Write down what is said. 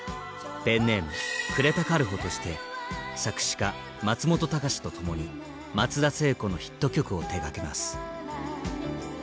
ペンネーム呉田軽穂として作詞家松本隆と共に松田聖子のヒット曲を手がけます。